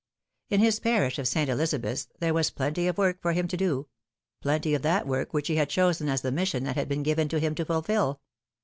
In his parish of St. Elizabeth's there was plenty of work for him to do plenty of that work which he had chosen as the mission that had been given to him to fulfil.